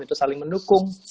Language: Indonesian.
itu saling mendukung